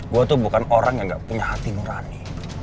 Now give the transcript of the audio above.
gue tuh bukan orang yang gak punya hati nurani